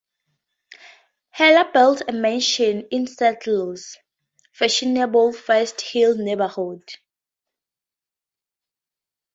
Haller built a mansion in Seattle's fashionable First Hill neighborhood.